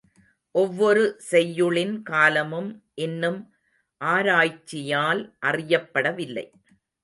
ஒவ்வொரு செய்யுளின் காலமும் இன்னும் ஆராய்ச்சியால் அறியப்படவில்லை.